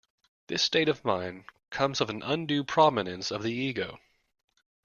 This state of mind comes of an undue prominence of the ego.